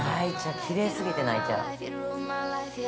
◆きれいすぎて泣いちゃう。